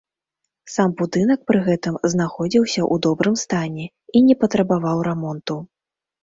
Сам будынак пры гэтым знаходзіўся ў добрым стане і не патрабаваў рамонту.